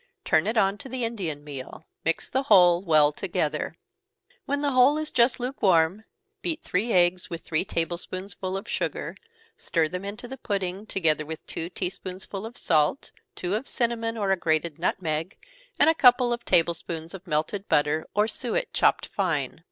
Turn it on to the Indian meal mix the whole well together. When the whole is just lukewarm, beat three eggs with three table spoonsful of sugar stir them into the pudding, together with two tea spoonsful of salt, two of cinnamon, or a grated nutmeg, and a couple of table spoonsful of melted butter, or suet chopped fine.